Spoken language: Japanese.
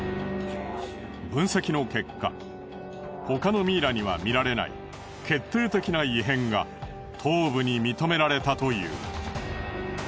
分析の結果他のミイラには見られない決定的な異変が頭部に認められたという。